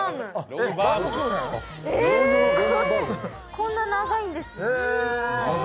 こんな長いんですか！？